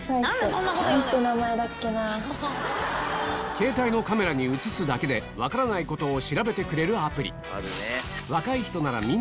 ケータイのカメラに映すだけで分からないことを調べてくれるアプリああ